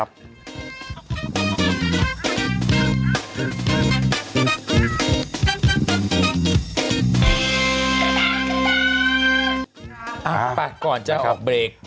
ไปก่อนจะออกเบรก